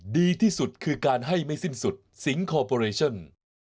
ดีที่สุดคือการให้ไม่สิ้นสุดสิงคอร์ปอเรชั่น